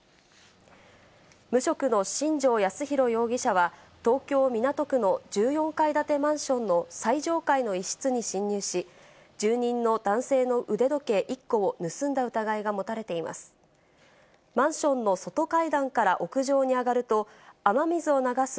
無職の新城康浩容疑者は、東京・港区の１４階建てマンションの最上階の一室に侵入し、住人の男性の腕時計１個を盗んだ疑いが持たれています。